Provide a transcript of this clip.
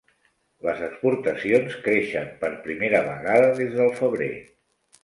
Les exportacions creixen per primera vegada des del febrer.